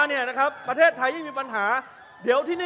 คุณจิลายุเขาบอกว่ามันควรทำงานร่วมกัน